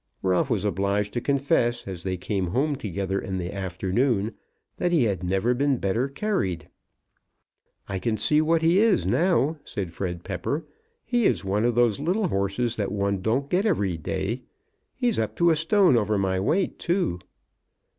Ralph was obliged to confess, as they came home together in the afternoon, that he had never been better carried. "I can see what he is now," said Fred Pepper; "he is one of those little horses that one don't get every day. He's up to a stone over my weight, too."